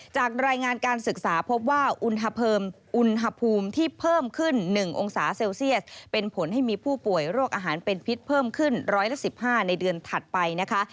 จากรายงานการศึกษาพบว่าอุณหภูมิอุณหภูมิที่เพิ่มขึ้น๑องศาเซลเซียสเป็นผลให้มีผู้ป่วยโรคอาหารเป็นพิษเพิ่มขึ้น๑๑๕ในเดือนถัดไปนะคะ